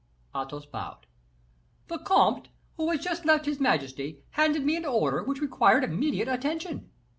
Athos bowed. "The comte, who had just left his majesty, handed me an order which required immediate attention.